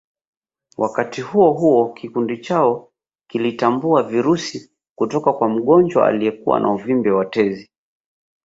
Wakati huohuo kikundi chao kilitambua virusi kutoka kwa mgonjwa aliyekuwa na uvimbe wa tezi